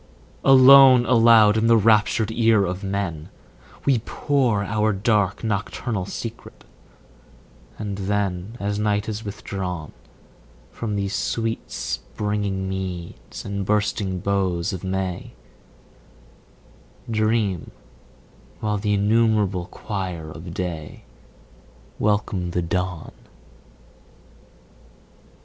Alone, aloud in the raptured ear of men We pour our dark nocturnal secret; and then, As night is withdrawn 15 From these sweet springing meads and bursting boughs of May, Dream, while the innumerable choir of day Welcome the dawn.